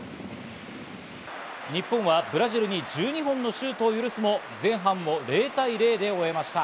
日本はブラジルに１２本のシュートを許すも前半０対０で終えました。